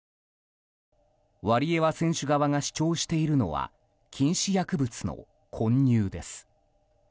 ワリエワ選手側が主張しているのは禁止薬物の混入です。